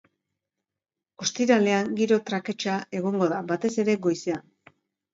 Ostiralean giro traketsa egongo da, batez ere goizean.